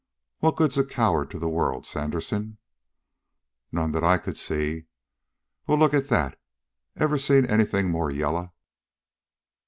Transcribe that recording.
"What good's a coward to the world, Sandersen?" "None that I could see." "Well, look at that. Ever see anything more yaller?"